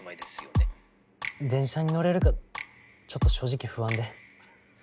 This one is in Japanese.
「電車に乗れるかちょっと正直不安で」。